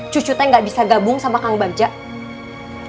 cucu teh gak bisa gabung sama kang bagjate